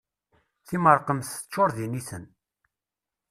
Timerqemt teččur d initen.